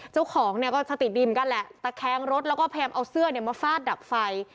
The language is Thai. เจ้าของก็ติดดินกันแหละตะแค้งรถแล้วก็แพร่มเอาเสื้อมาฟาดดับไฟ